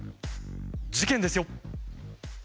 事件ですよ。